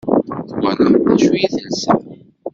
Twalaḍ d acu i telsa?